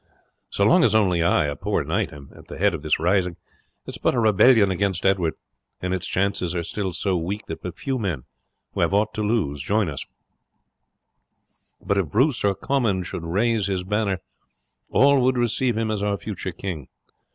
So long as only I, a poor knight, am at the head of this rising, it is but a rebellion against Edward, and its chances are still so weak that but few men, who have aught to lose, join us; but if Bruce or Comyn should raise his banner all would receive him as our future king.